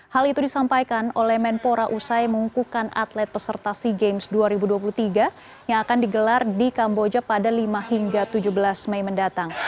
hal itu disampaikan oleh menpora usai mengukuhkan atlet peserta sea games dua ribu dua puluh tiga yang akan digelar di kamboja pada lima hingga tujuh belas mei mendatang